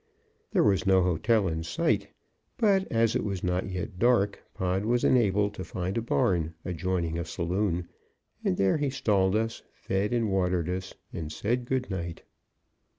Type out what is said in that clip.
There was no hotel in sight, but as it was not yet dark, Pod was enabled to find a barn, adjoining a saloon, and there he stalled us, fed and watered us, and said good night.